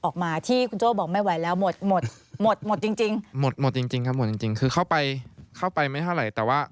เข้าไปไม่เท่าไหร่แต่ว่า